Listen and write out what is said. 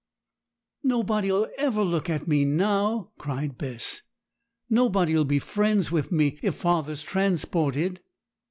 'Nobody'll ever look at me now,' cried Bess; 'nobody'll be friends with me if father's transported.'